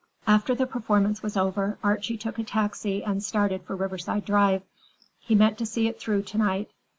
After the performance was over, Archie took a taxi and started for Riverside Drive. He meant to see it through to night.